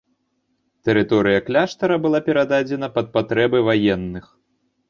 Тэрыторыя кляштара была перададзена пад патрэбы ваенных.